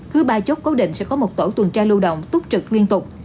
cứ ba chốt cố định sẽ có một tổ tuần tra lưu động túc trực liên tục